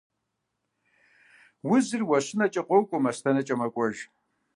Узыр уэщынэкӀэ къокӀуэ, мастэнэкӀэ мэкӀуэж.